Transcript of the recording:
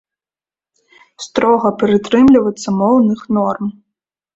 Строга прытрымлівацца моўных норм.